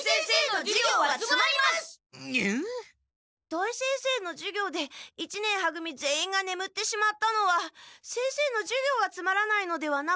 土井先生の授業で一年は組全員がねむってしまったのは先生の授業がつまらないのではなく。